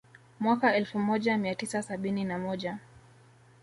Mwaka elfumoja miatisa sabini na moja